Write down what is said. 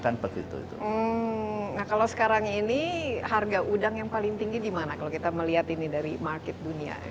nah kalau sekarang ini harga udang yang paling tinggi di mana kalau kita melihat ini dari market dunia